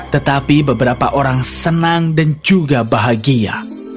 tetapi beberapa orang senang dan juga bahagia